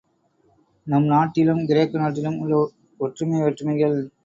நம் நாட்டிலும் கிரேக்க நாட்டிலும் உள்ள ஒற்றுமை வேற்றுமைகள்.